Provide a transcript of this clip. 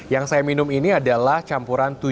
yang saya minum ini adalah campuran